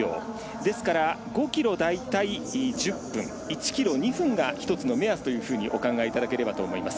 ですから５ｋｍ大体１０分１ｋｍ２分が１つの目安とお考えいただければと思います。